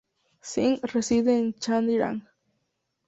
Singh reside en Chandigarh.